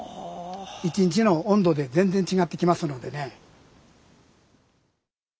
一日の温度で全然違ってきますのでね。